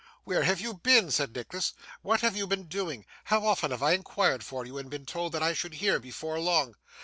'Where have you been?' said Nicholas. 'What have you been doing? How often have I inquired for you, and been told that I should hear before long!